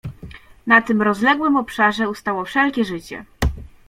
"Na tym rozległym obszarze ustało wszelkie życie."